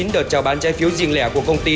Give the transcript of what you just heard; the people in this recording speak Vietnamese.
chín đợt chào bán trái phiếu riêng lẻ của công ty